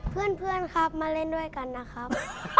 เพื่อนครับมาเล่นด้วยกันนะครับ